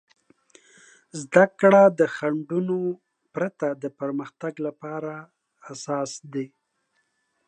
زده کړه د خنډونو پرته د پرمختګ لپاره اساس دی.